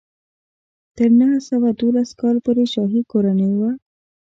تر نهه سوه دولس کال پورې شاهي کورنۍ وه.